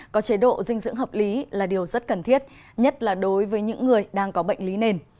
có chế độ dinh dưỡng hợp lý là điều rất cần thiết nhất là đối với những người đang có bệnh lý nền